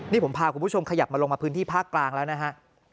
นี่ผมพาคุณผู้ชมขยับมาลงมาพื้นที่ภาคกลางแล้วนะฮะ